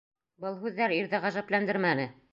Был һүҙҙәр ирҙе ғәжәпләндермәне.